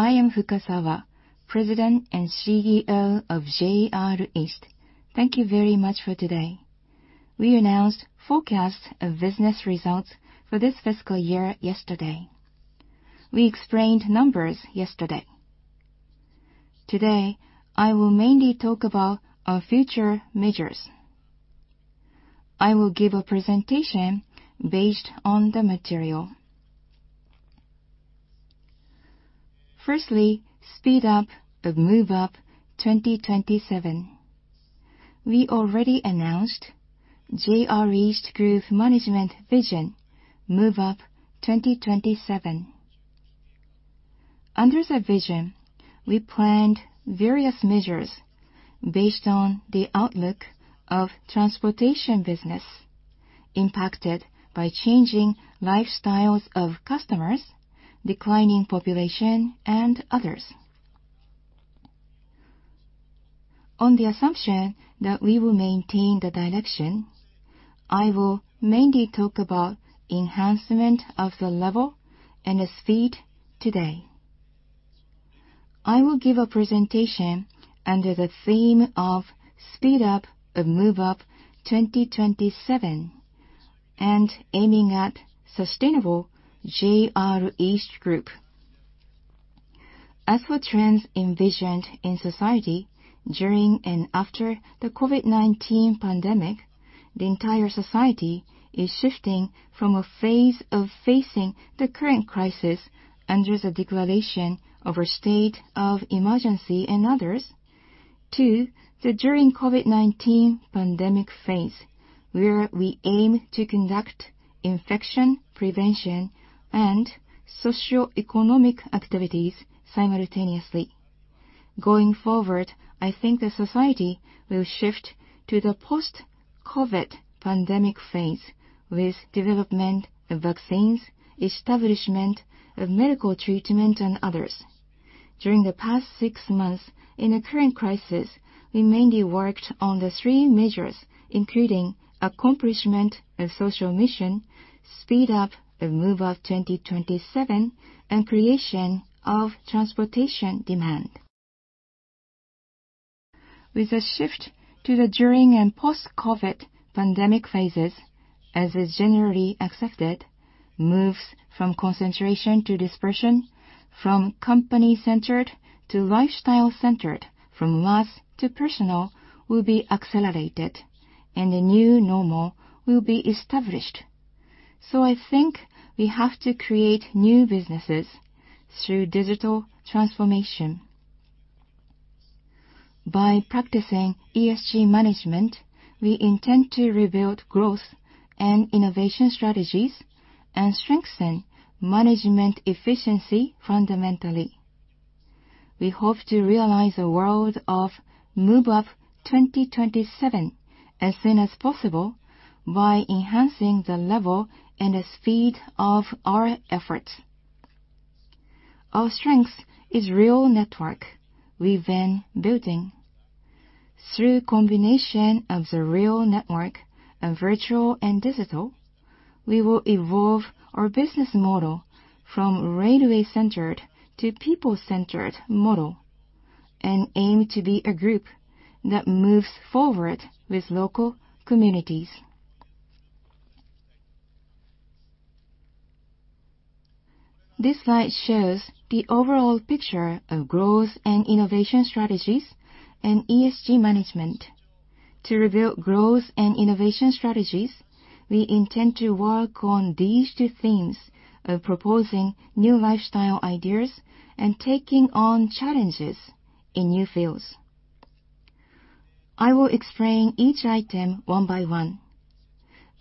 I am Fukasawa, President and CEO of JR East. Thank you very much for today. We announced forecasts of business results for this fiscal year yesterday. We explained numbers yesterday. Today, I will mainly talk about our future measures. I will give a presentation based on the material. Firstly, speed up the Move Up 2027. We already announced JR East Group management vision, Move Up 2027. Under the vision, we planned various measures based on the outlook of transportation business impacted by changing lifestyles of customers, declining population and others. On the assumption that we will maintain the direction, I will mainly talk about enhancement of the level and the speed today. I will give a presentation under the theme of speed up of Move Up 2027 and aiming at sustainable JR East Group. As for trends envisioned in society during and after the COVID-19 pandemic, the entire society is shifting from a phase of facing the current crisis under the declaration of a state of emergency and others, to the during COVID-19 pandemic phase, where we aim to conduct infection prevention and socioeconomic activities simultaneously. Going forward, I think the society will shift to the post-COVID pandemic phase with development of vaccines, establishment of medical treatment, and others. During the past six months, in the current crisis, we mainly worked on the three measures, including accomplishment of social mission, speed up the Move Up 2027, and creation of transportation demand. With a shift to the during and post-COVID pandemic phases, as is generally accepted, moves from concentration to dispersion, from company-centered to lifestyle-centered, from mass to personal will be accelerated and a new normal will be established. I think we have to create new businesses through digital transformation. By practicing ESG management, we intend to rebuild growth and innovation strategies and strengthen management efficiency fundamentally. We hope to realize a world of Move Up 2027 as soon as possible by enhancing the level and the speed of our efforts. Our strength is real network we've been building. Through combination of the real network and virtual and digital, we will evolve our business model from railway-centered to people-centered model and aim to be a group that moves forward with local communities. This slide shows the overall picture of growth and innovation strategies and ESG management. To rebuild growth and innovation strategies, we intend to work on these two themes of proposing new lifestyle ideas and taking on challenges in new fields. I will explain each item one by one.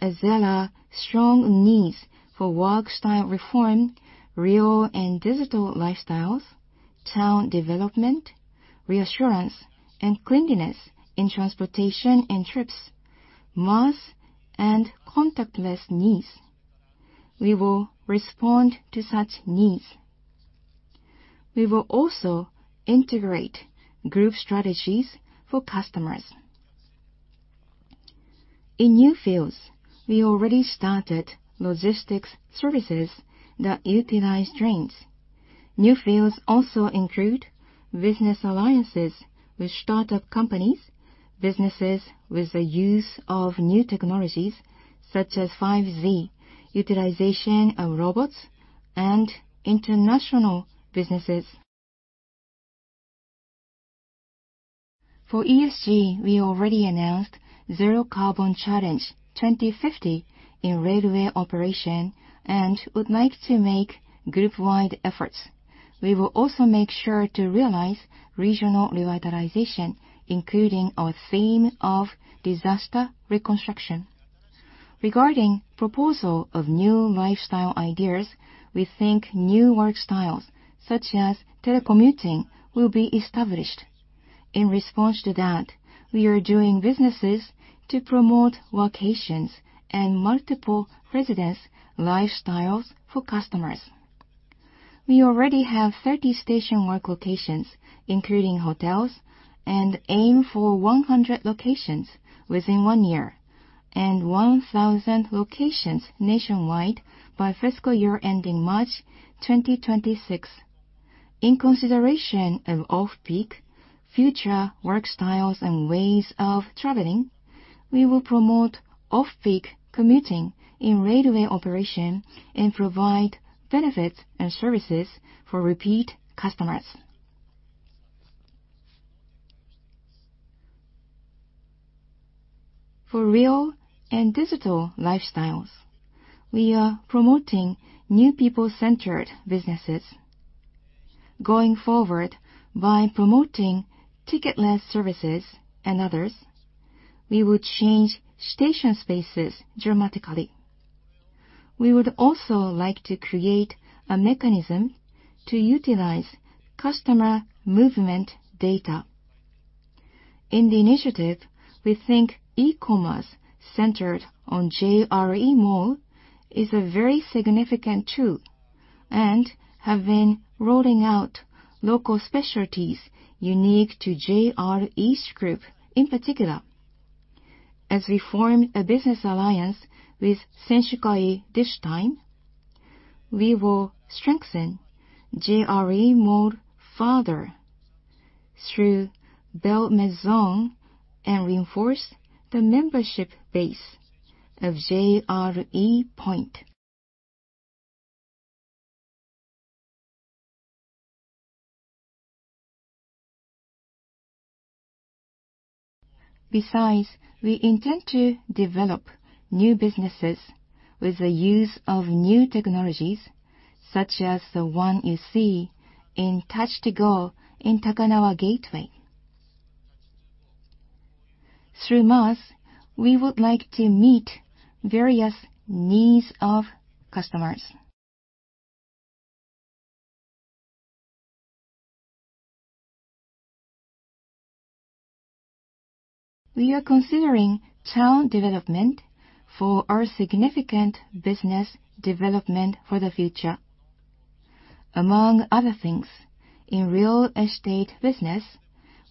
As there are strong needs for work style reform, real and digital lifestyles, town development, reassurance, and cleanliness in transportation and trips, mass and contactless needs, we will respond to such needs. We will also integrate group strategies for customers. In new fields, we already started logistics services that utilize trains. New fields also include business alliances with startup companies, businesses with the use of new technologies such as 5G, utilization of robots, and international businesses. For ESG, we already announced Zero Carbon Challenge 2050 in railway operation and would like to make group-wide efforts. We will also make sure to realize regional revitalization, including our theme of disaster reconstruction. Regarding proposal of new lifestyle ideas, we think new work styles such as telecommuting will be established. In response to that, we are doing businesses to promote workations and multiple residence lifestyles for customers. We already have 30 STATION WORK locations, including hotels, and aim for 100 locations within one year. 1,000 locations nationwide by fiscal year ending March 2026. In consideration of off-peak future work styles and ways of traveling, we will promote off-peak commuting in railway operation and provide benefits and services for repeat customers. For real and digital lifestyles, we are promoting new people-centered businesses. Going forward, by promoting ticketless services and others, we will change station spaces dramatically. We would also like to create a mechanism to utilize customer movement data. In the initiative, we think e-commerce centered on JRE MALL is a very significant tool and have been rolling out local specialties unique to JR East Group in particular. As we form a business alliance with Senshukai this time, we will strengthen JRE MALL further through Belle Maison and reinforce the membership base of JRE POINT. Besides, we intend to develop new businesses with the use of new technologies, such as the one you see in TOUCH TO GO in Takanawa Gateway. Through MaaS, we would like to meet various needs of customers. We are considering town development for our significant business development for the future. Among other things, in real estate business,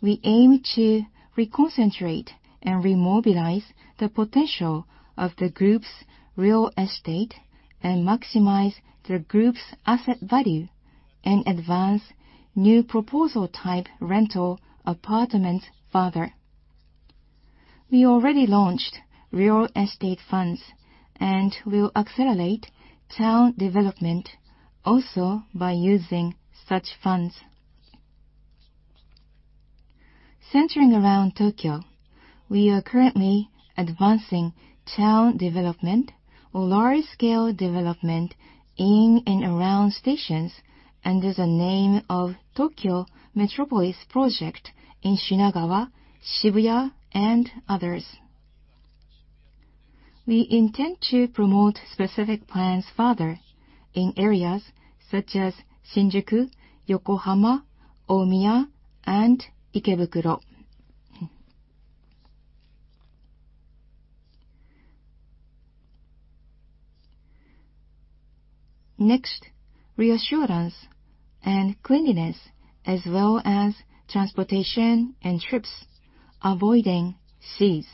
we aim to reconcentrate and remobilize the potential of the group's real estate and maximize the group's asset value and advance new proposal type rental apartments further. We already launched real estate funds and will accelerate town development also by using such funds. Centering around Tokyo, we are currently advancing town development or large-scale development in and around stations under the name of Tokyo Metropolis Project in Shinagawa, Shibuya, and others. We intend to promote specific plans further in areas such as Shinjuku, Yokohama, Omiya, and Ikebukuro. Next, reassurance and cleanliness, as well as transportation and trips, avoiding CO2.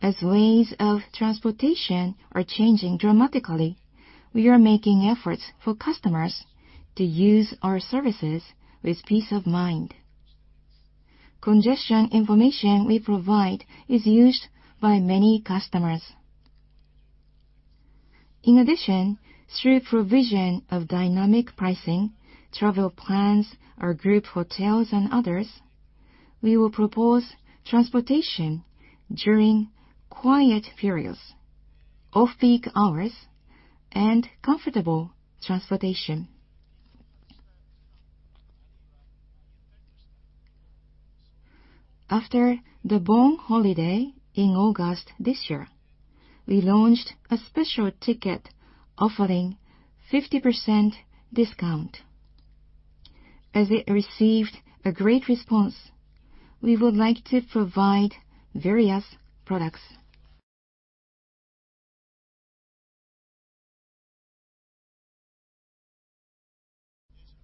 As ways of transportation are changing dramatically, we are making efforts for customers to use our services with peace of mind. Congestion information we provide is used by many customers. In addition, through provision of dynamic pricing, travel plans, our group hotels, and others, we will propose transportation during quiet periods, off-peak hours, and comfortable transportation. After the Bon holiday in August this year, we launched a special ticket offering 50% discount. As it received a great response, we would like to provide various products.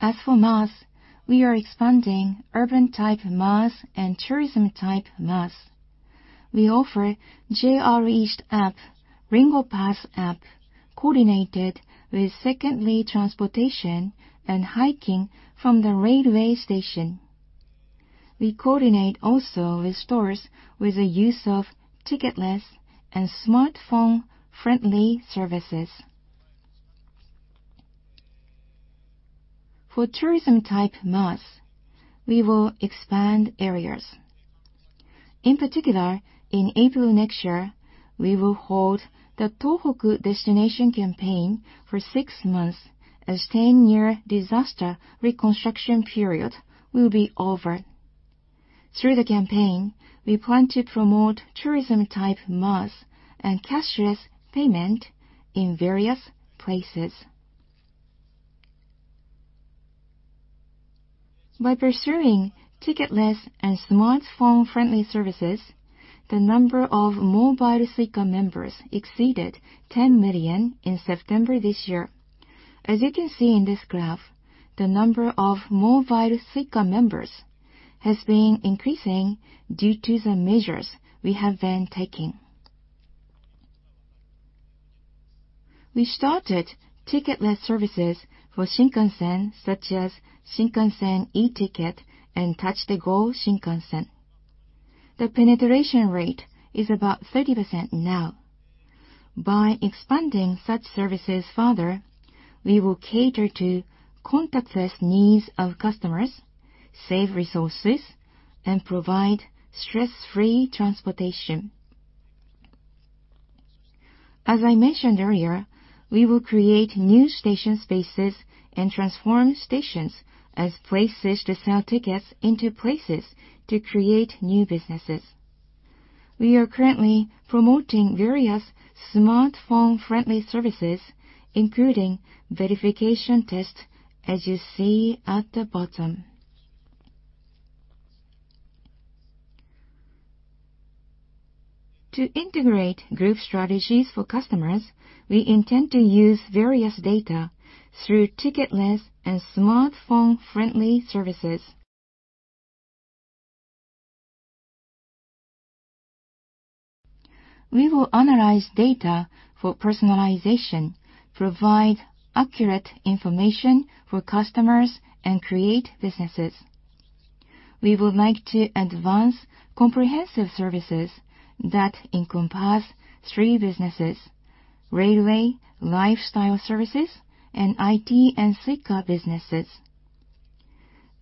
As for MaaS, we are expanding urban-type MaaS and tourism-type MaaS. We offer JR East app, Ringo Pass app, coordinated with secondary transportation and hiking from the railway station. We coordinate also with stores with the use of ticketless and smartphone-friendly services. For tourism-type MaaS, we will expand areas. In particular, in April next year, we will hold the Tohoku Destination Campaign for six months, as 10-year disaster reconstruction period will be over. Through the campaign, we plan to promote tourism-type MaaS and cashless payment in various places. By pursuing ticketless and smartphone-friendly services, the number of Mobile Suica members exceeded 10 million in September this year. As you can see in this graph, the number of Mobile Suica members has been increasing due to the measures we have been taking. We started ticketless services for Shinkansen, such as Shinkansen e-ticket and Touch de Go! Shinkansen. The penetration rate is about 30% now. By expanding such services further, we will cater to contactless needs of customers, save resources, and provide stress-free transportation. As I mentioned earlier, we will create new station spaces and transform stations as places to sell tickets into places to create new businesses. We are currently promoting various smartphone-friendly services, including verification tests, as you see at the bottom. To integrate group strategies for customers, we intend to use various data through ticketless and smartphone-friendly services. We will analyze data for personalization, provide accurate information for customers, and create businesses. We would like to advance comprehensive services that encompass three businesses: railway, lifestyle services, and IT and Suica businesses.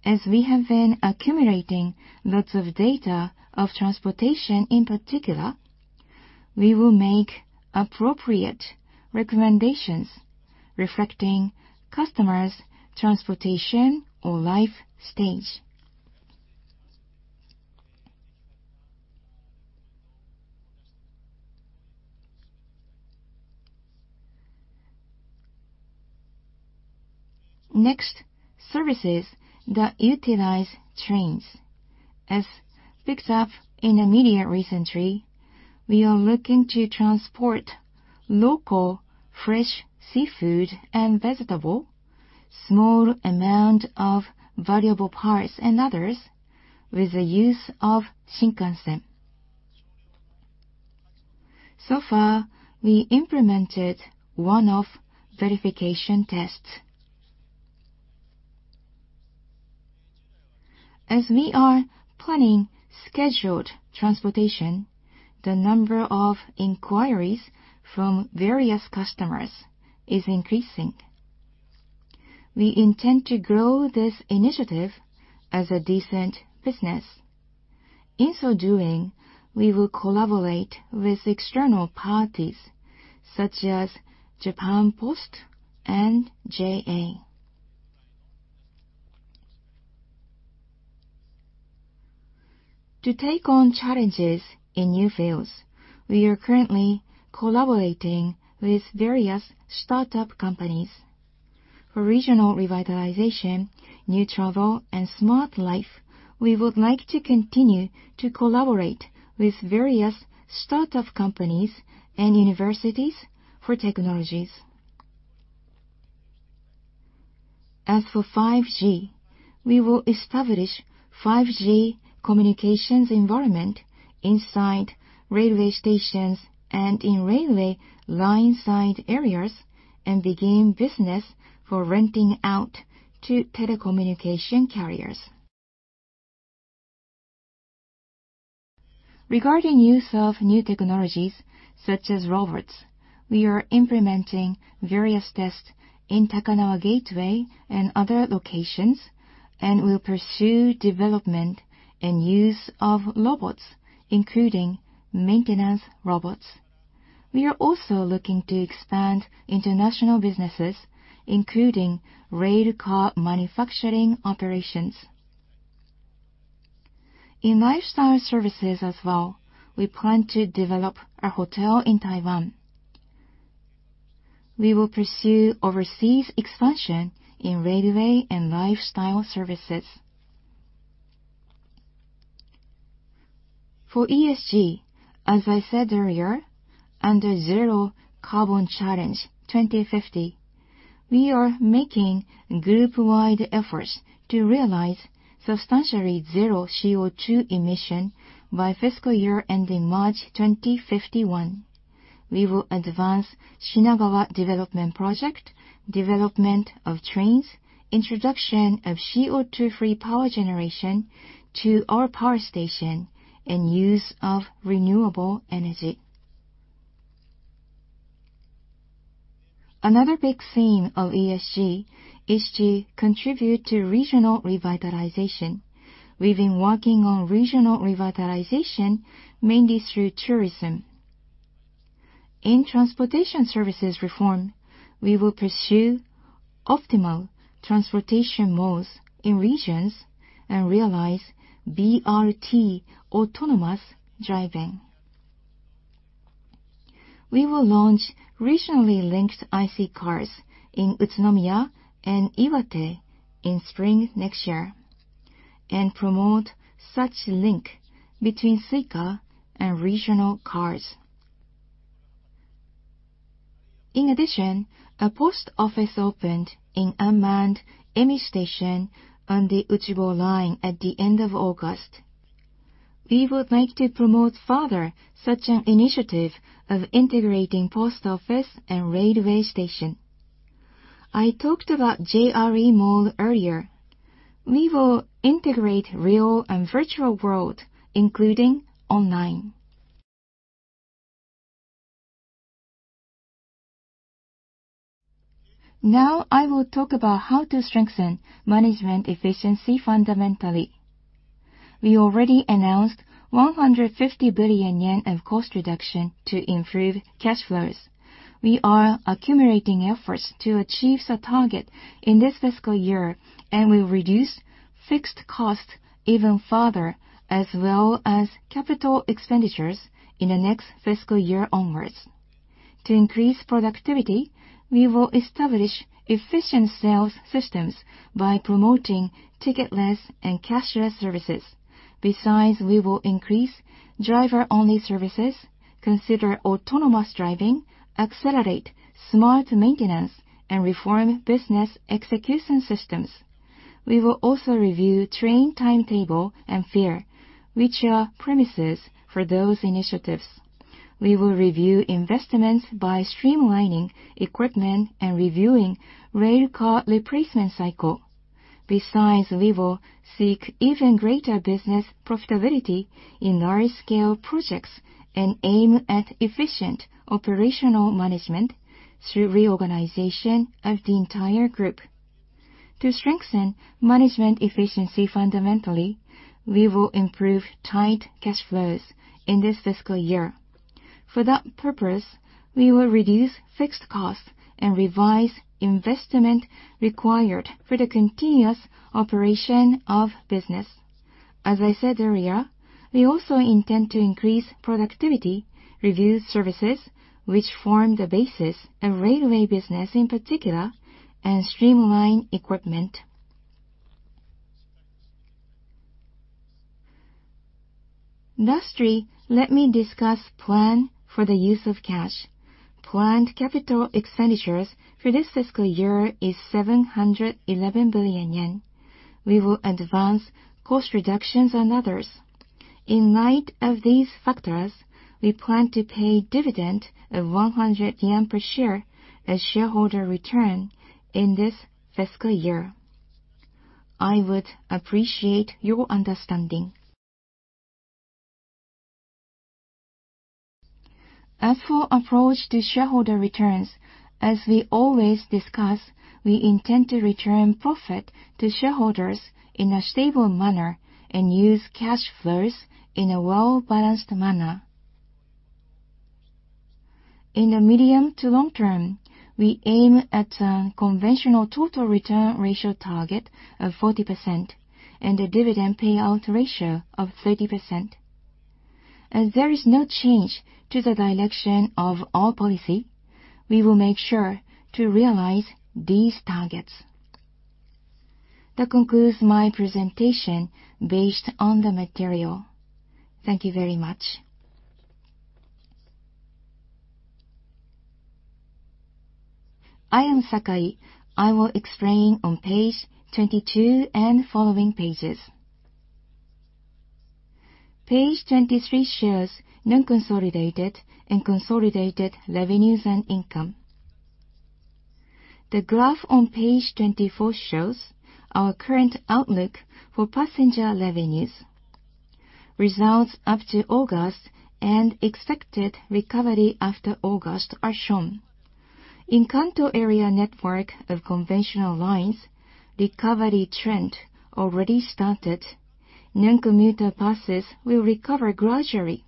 As we have been accumulating lots of data of transportation in particular, we will make appropriate recommendations reflecting customers' transportation or life stage. Next, services that utilize trains. As picks up in the media recently, we are looking to transport local fresh seafood and vegetable, small amount of valuable parts, and others with the use of Shinkansen. So far, we implemented one-off verification tests. As we are planning scheduled transportation, the number of inquiries from various customers is increasing. We intend to grow this initiative as a decent business. In so doing, we will collaborate with external parties such as Japan Post and JA. To take on challenges in new fields, we are currently collaborating with various startup companies. For regional revitalization, new travel, and smart life, we would like to continue to collaborate with various startup companies and universities for technologies. As for 5G, we will establish 5G communications environment inside railway stations and in railway lineside areas and begin business for renting out to telecommunication carriers. Regarding use of new technologies such as robots, we are implementing various tests in Takanawa Gateway and other locations and will pursue development and use of robots, including maintenance robots. We are also looking to expand international businesses, including rail car manufacturing operations. In lifestyle services as well, we plan to develop a hotel in Taiwan. We will pursue overseas expansion in railway and lifestyle services. For ESG, as I said earlier, under Zero Carbon Challenge 2050, we are making group-wide efforts to realize substantially zero CO2 emission by fiscal year ending March 2051. We will advance Shinagawa development project, development of trains, introduction of CO2-free power generation to our power station, and use of renewable energy. Another big theme of ESG is to contribute to regional revitalization. We've been working on regional revitalization mainly through tourism. In transportation services reform, we will pursue optimal transportation modes in regions and realize BRT autonomous driving. We will launch regionally linked IC cards in Utsunomiya and Iwate in spring next year. Promote such link between Suica and regional cards. In addition, a post office opened in unmanned Emi Station on the Uchibo Line at the end of August. We would like to promote further such an initiative of integrating post office and railway station. I talked about JRE Mall earlier. We will integrate real and virtual world, including online. Now I will talk about how to strengthen management efficiency fundamentally. We already announced 150 billion yen of cost reduction to improve cash flows. We are accumulating efforts to achieve the target in this fiscal year, and will reduce fixed costs even further, as well as capital expenditures in the next fiscal year onwards. To increase productivity, we will establish efficient sales systems by promoting ticketless and cashless services. Besides, we will increase driver-only services, consider autonomous driving, accelerate smart maintenance, and reform business execution systems. We will also review train timetable and fare, which are premises for those initiatives. We will review investments by streamlining equipment and reviewing rail car replacement cycle. Besides, we will seek even greater business profitability in large-scale projects and aim at efficient operational management through reorganization of the entire group. To strengthen management efficiency fundamentally, we will improve tight cash flows in this fiscal year. For that purpose, we will reduce fixed costs and revise investment required for the continuous operation of business. As I said earlier, we also intend to increase productivity, review services, which form the basis of railway business in particular, and streamline equipment. Lastly, let me discuss plan for the use of cash. Planned capital expenditures for this fiscal year is 711 billion yen. We will advance cost reductions and others. In light of these factors, we plan to pay dividend of 100 yen per share as shareholder return in this fiscal year. I would appreciate your understanding. As for approach to shareholder returns, as we always discuss, we intend to return profit to shareholders in a stable manner and use cash flows in a well-balanced manner. In the medium to long term, we aim at a conventional total return ratio target of 40% and a dividend payout ratio of 30%. As there is no change to the direction of our policy, we will make sure to realize these targets. That concludes my presentation based on the material. Thank you very much. I am Sakai. I will explain on page 22 and following pages. Page 23 shows non-consolidated and consolidated revenues and income. The graph on page 24 shows our current outlook for passenger revenues. Results up to August and expected recovery after August are shown. In Kanto area network of conventional lines, recovery trend already started. Non-commuter passes will recover gradually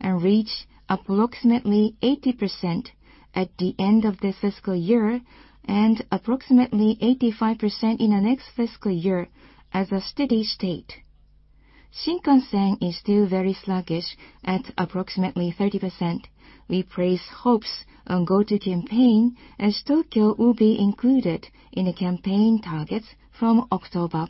and reach approximately 80% at the end of this fiscal year and approximately 85% in the next fiscal year as a steady state. Shinkansen is still very sluggish at approximately 30%. We place hopes on Go To Travel Campaign as Tokyo will be included in the campaign targets from October.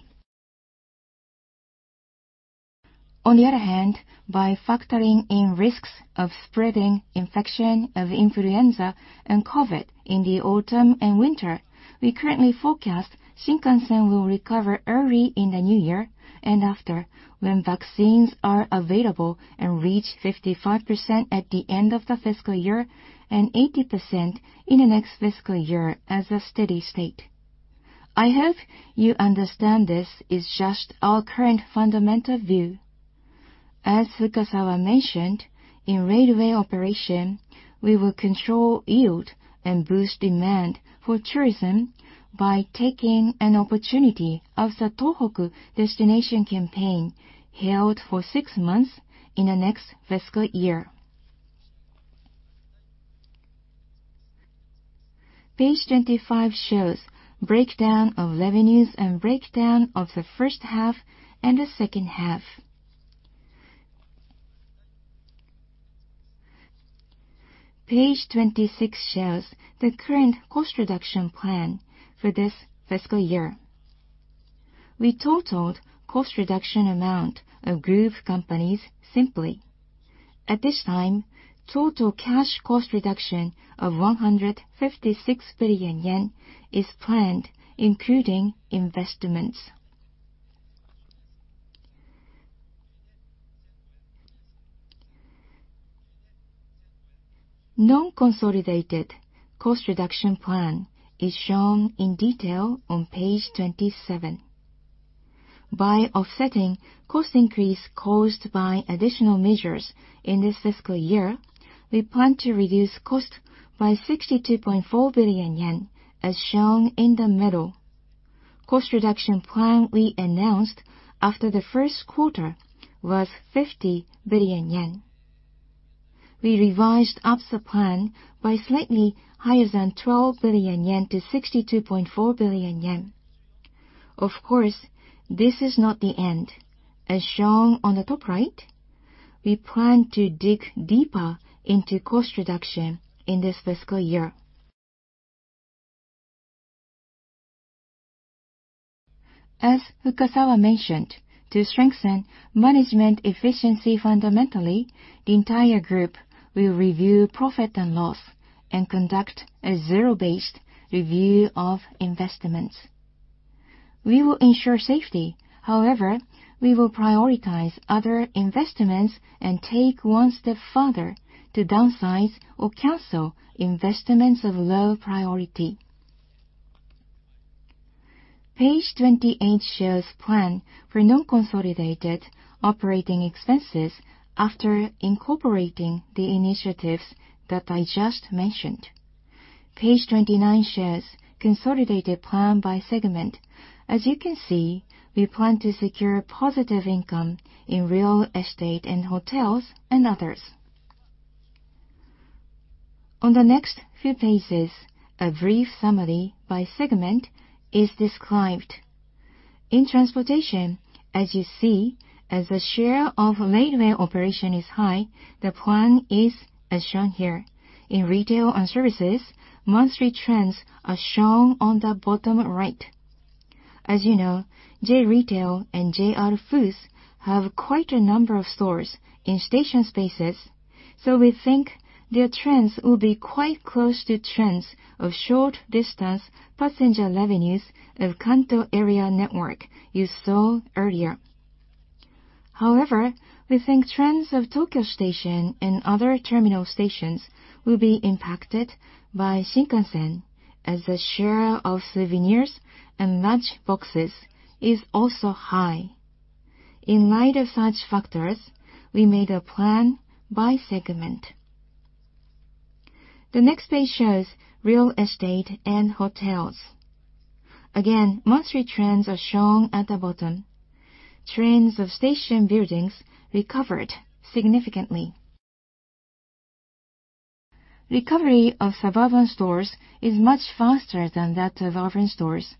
On the other hand, by factoring in risks of spreading infection of influenza and COVID in the autumn and winter, we currently forecast Shinkansen will recover early in the new year and after, when vaccines are available, and reach 55% at the end of the fiscal year and 80% in the next fiscal year as a steady state. I hope you understand this is just our current fundamental view. As Fukasawa mentioned, in railway operation, we will control yield and boost demand for tourism by taking an opportunity of the Tohoku Destination Campaign held for 6 months in the next fiscal year. Page 25 shows breakdown of revenues and breakdown of the first half and the second half. Page 26 shows the current cost reduction plan for this fiscal year. We totaled cost reduction amount of group companies simply. At this time, total cash cost reduction of 156 billion yen is planned, including investments. Non-consolidated cost reduction plan is shown in detail on page 27. By offsetting cost increase caused by additional measures in this fiscal year, we plan to reduce cost by 62.4 billion yen, as shown in the middle. Cost reduction plan we announced after the first quarter was 50 billion yen. We revised up the plan by slightly higher than 12 billion yen - 62.4 billion yen. Of course, this is not the end. As shown on the top right, we plan to dig deeper into cost reduction in this fiscal year. As Fukasawa mentioned, to strengthen management efficiency, fundamentally, the entire group will review profit and loss and conduct a zero-based review of investments. We will ensure safety. However, we will prioritize other investments and take one step further to downsize or cancel investments of low priority. Page 28 shows plan for non-consolidated operating expenses after incorporating the initiatives that I just mentioned. Page 29 shares consolidated plan by segment. As you can see, we plan to secure positive income in real estate and hotels and others. On the next few pages, a brief summary by segment is described. In transportation, as you see, as the share of railway operation is high, the plan is as shown here. In retail and services, monthly trends are shown on the bottom right. As you know, J-Retail and JR Foods have quite a number of stores in station spaces, so we think their trends will be quite close to trends of short distance passenger revenues of Kanto area network you saw earlier. We think trends of Tokyo Station and other terminal stations will be impacted by Shinkansen as the share of souvenirs and lunch boxes is also high. In light of such factors, we made a plan by segment. The next page shows real estate and hotels. Again, monthly trends are shown at the bottom. Trends of station buildings recovered significantly. Recovery of suburban stores is much faster than that of urban stores.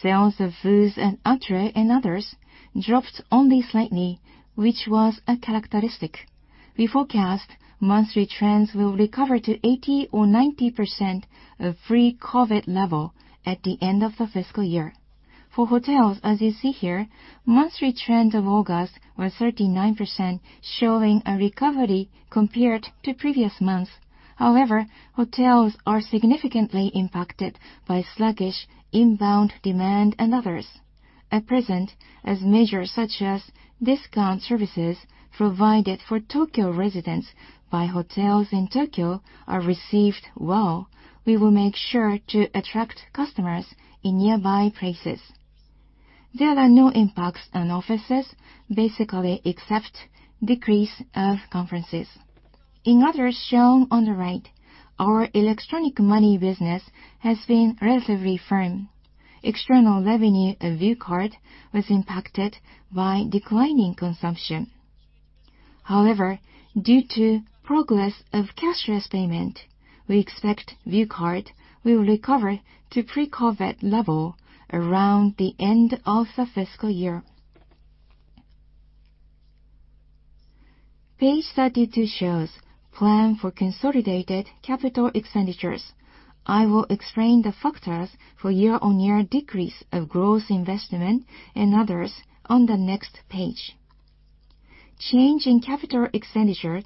Sales of foods and Atre and others dropped only slightly, which was a characteristic. We forecast monthly trends will recover to 80% or 90% of pre-COVID level at the end of the fiscal year. For hotels, as you see here, monthly trends of August were 39%, showing a recovery compared to previous months. Hotels are significantly impacted by sluggish inbound demand and others. At present, as measures such as discount services provided for Tokyo residents by hotels in Tokyo are received well, we will make sure to attract customers in nearby places. There are no impacts on offices, basically, except decrease of conferences. In others shown on the right, our electronic money business has been relatively firm. External revenue of View Card was impacted by declining consumption. Due to progress of cashless payment, we expect View Card will recover to pre-COVID level around the end of the fiscal year. Page 32 shows plan for consolidated capital expenditures. I will explain the factors for year-on-year decrease of gross investment and others on the next page. Change in capital expenditure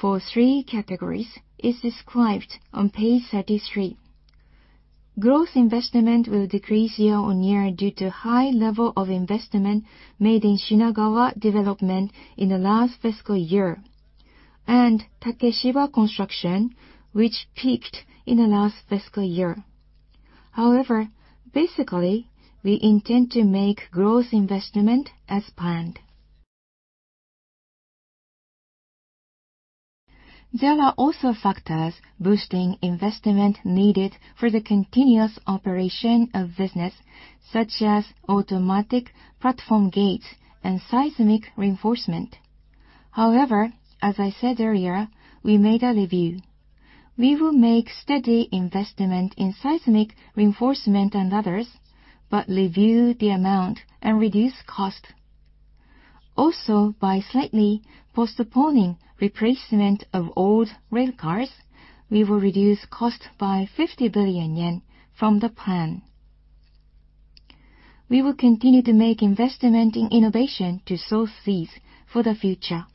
for three categories is described on page 33. Gross investment will decrease year on year due to high level of investment made in Shinagawa development in the last fiscal year, and Takeshiba construction, which peaked in the last fiscal year. Basically, we intend to make gross investment as planned. There are also factors boosting investment needed for the continuous operation of business such as automatic platform gates and seismic reinforcement. As I said earlier, we made a review. We will make steady investment in seismic reinforcement and others, but review the amount and reduce cost. By slightly postponing replacement of old rail cars, we will reduce cost by 50 billion yen from the plan. We will continue to make investment in innovation to sow seeds for the future.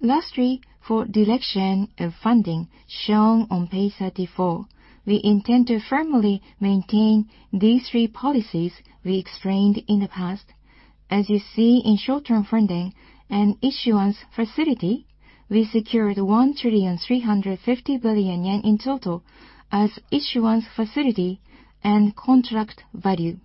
Lastly, for direction of funding shown on page 34, we intend to firmly maintain these three policies we explained in the past. As you see in short-term funding and issuance facility, we secured 1,350 billion yen in total as issuance facility and contract value.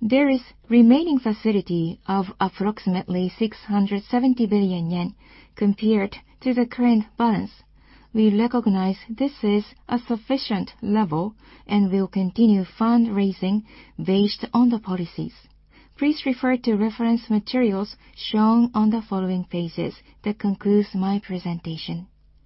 There is remaining facility of approximately 670 billion yen compared to the current balance. We recognize this is a sufficient level and will continue fundraising based on the policies. Please refer to reference materials shown on the following pages. That concludes my presentation.